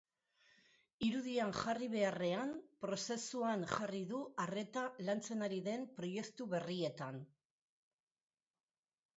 Irudian jarri beharrean, prozesuan jarri du arreta lantzen ari den proiektu berrietan.